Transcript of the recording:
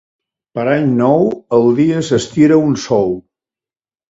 Per Any Nou el dia s'estira un sou.